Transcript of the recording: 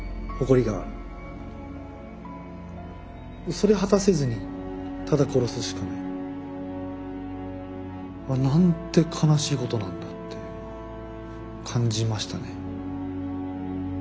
それ果たせずにただ殺すしかない。なんて悲しいことなんだって感じましたね。